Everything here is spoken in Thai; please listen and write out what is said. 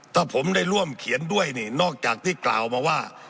ถ้าผมได้ร่วมเขียนด้วยนี่นอกจากที่กล่าวมาว่า